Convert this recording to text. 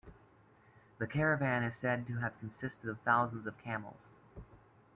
The caravan is said to have consisted of thousands of camels.